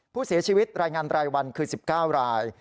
ผู้เสียชีวิตรายงานรายวันคือ๑๙ราย